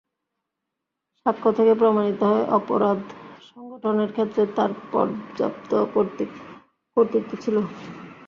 সাক্ষ্য থেকে প্রমাণিত হয়, অপরাধ সংঘটনের ক্ষেত্রে তাঁর পর্যাপ্ত কর্তৃত্ব ছিল।